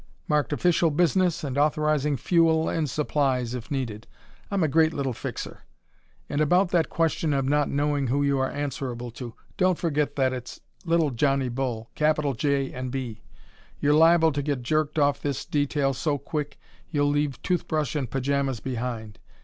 Marked official business and authorizing fuel and supplies, if needed. I'm a great little fixer. And about that question of not knowing who you are answerable to, don't forget that it's little Johnny Bull capital J and B. You're liable to get jerked off this detail so quick you'll leave toothbrush and pajamas behind.